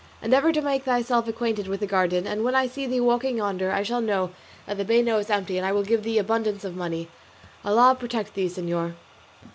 Endeavour to make thyself acquainted with the garden; and when I see thee walking yonder I shall know that the bano is empty and I will give thee abundance of money. Allah protect thee, señor."